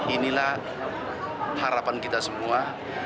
inilah harapan kita semua